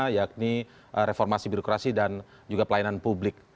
yakni reformasi birokrasi dan juga pelayanan publik